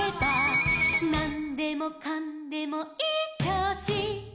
「なんでもかんでもいいちょうし」